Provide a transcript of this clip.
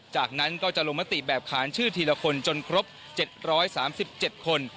จากนั้นก็จะลงมติแบบขานชื่อทีละคนจนครบ๗๓๗คน